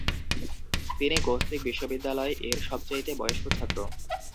তিনি গোসপিক বিশ্ববিদ্যালয় এর সবচাইতে বয়স্ক ছাত্র।